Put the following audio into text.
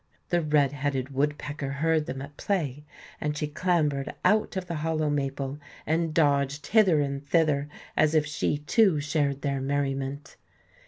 The red headed woodpecker heard them at play, and she clambered out of the hollow maple and dodged hither and thither as if she, too, shared their merriment.